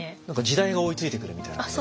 何か時代が追いついてくるみたいな。